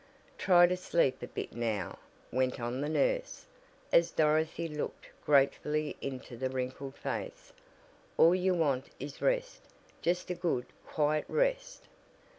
"Try to sleep a bit now," went on the nurse, as Dorothy looked gratefully into the wrinkled face. "All you want is rest, just a good, quiet rest."